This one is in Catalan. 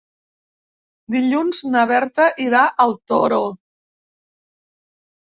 Dilluns na Berta irà al Toro.